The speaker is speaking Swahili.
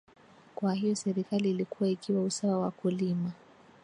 Kwa hiyo Serikali ilikuwa ikiwa usawa wakulima